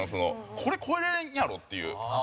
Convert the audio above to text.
これ超えれんやろっていう。